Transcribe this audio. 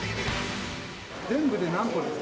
全部で何個ですか。